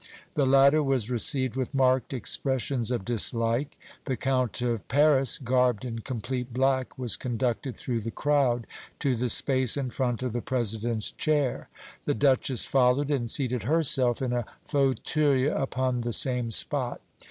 The latter was received with marked expressions of dislike. The Count of Paris, garbed in complete black, was conducted through the crowd to the space in front of the President's chair; the Duchess followed and seated herself in a fauteuil upon the same spot.